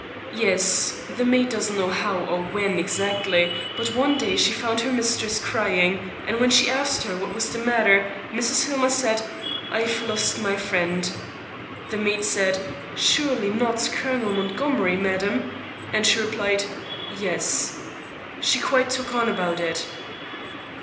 "Yes. The maid doesn't know how, or when, exactly, but one day she found her mistress crying, and when she asked her what was the matter, Mrs. Hillmer said, 'I've lost my friend.' The maid said, 'Surely not Colonel Montgomery, madam?' and she replied, 'Yes.' She quite took on about it."